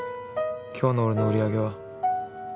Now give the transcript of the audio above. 今日の俺の売り上げは？